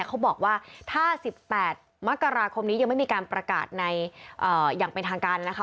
เขาบอกว่าถ้า๑๘มกราคมนี้ยังไม่มีการประกาศในอย่างเป็นทางการนะคะ